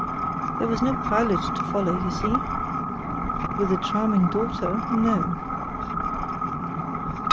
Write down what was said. "There was no pilot to follow, you see." "With a charming daughter—no."